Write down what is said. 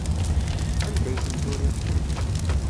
Anda ay ten-turiḍ?